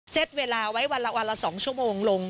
เซ็ตเวลาไว้วันละ๒ชั่วโมงลง